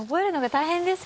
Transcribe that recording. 大変です。